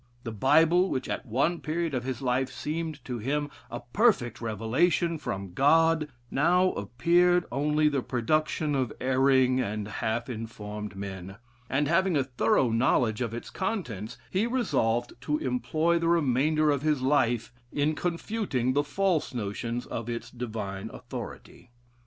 The Bible, which at one period of his life seemed to him a perfect revelation from "God" now appeared only the production of erring and half informed men; and having a thorough knowledge of its contents, he resolved to employ the remainder of his life in confuting the false notions of its "divine authority."